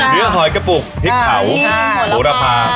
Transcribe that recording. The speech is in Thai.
ปิ๊บหมูราพา